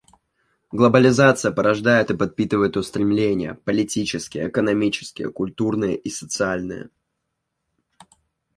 Глобализация порождает и подпитывает устремления — политические, экономические, культурные и социальные.